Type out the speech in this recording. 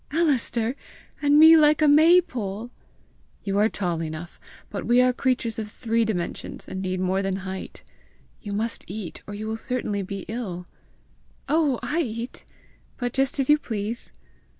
"Alister! and me like a May pole!" "You are tall enough, but we are creatures of three dimensions, and need more than height. You must eat, or you will certainly be ill!" "Oh, I eat! But just as you please!